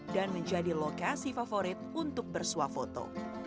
dan menjadi lokasi favorit untuk bersuah foto